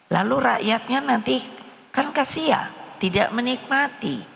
lalu rakyatnya nanti kan kasia tidak menikmati